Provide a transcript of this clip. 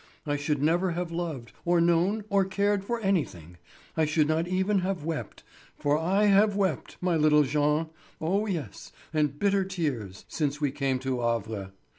I should never have loved, or known, or cared for anything—I should not even have wept—for I have wept, my little Jean; oh, yes, and bitter tears, since we came to Havre.